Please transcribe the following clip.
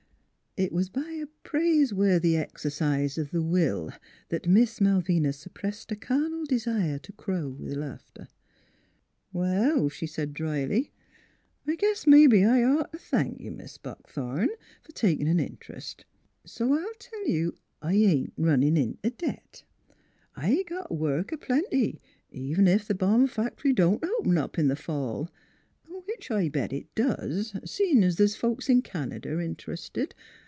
It was by a praiseworthy exercise of the will that Miss Malvina suppressed a carnal desire to crow with laughter. NEIGHBORS 183 " Well," she said dryly. " I guess mebbe I'd ought t' thank you, Mis' Buckthorn, f'r takin' an int'rest; so I'll tell you I ain't runnin' int' debt. I got work a plenty; ev n ef the bomb fact'ry don't open up in the fall which I bet it does, seein' the's folks in Canada int'rested.